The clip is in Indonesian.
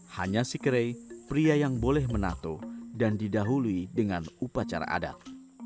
hanya si kere pria yang boleh menato dan didahului dengan upacara adat